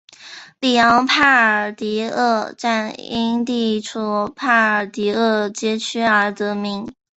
里昂帕尔迪厄站因地处帕尔迪厄街区而得名。